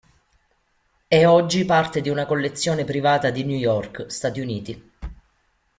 È oggi parte di una collezione privata di New York, Stati Uniti.